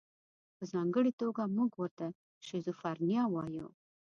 په ځانګړې توګه موږ ورته شیزوفرنیا وایو.